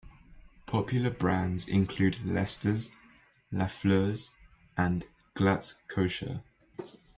Popular brands include Lesters, Lafleur's, and Glatt's kosher.